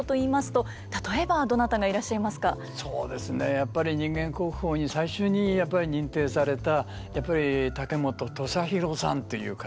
やっぱり人間国宝に最初に認定された竹本土佐廣さんという方。